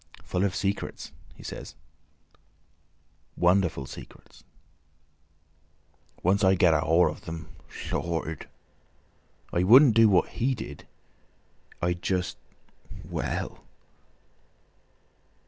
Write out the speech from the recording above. "Full of secrets," he says. "Wonderful secrets!" "Once I get the haul of them—Lord!" "I wouldn't do what he did; I'd just—well!"